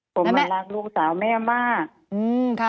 ผมรักลูกสาวแม่มาก